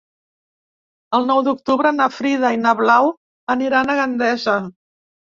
El nou d'octubre na Frida i na Blau aniran a Gandesa.